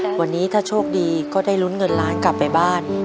วันนี้ถ้าโชคดีก็ได้ลุ้นเงินล้านกลับไปบ้าน